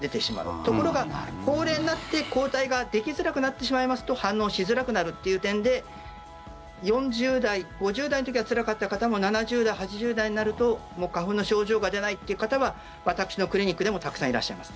ところが、高齢になって抗体ができづらくなってしまいますと反応しづらくなるっていう点で４０代、５０代の時はつらかった方も７０代、８０代になると花粉の症状が出ないっていう方は私のクリニックでもたくさんいらっしゃいます。